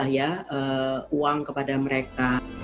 ya uang kepada mereka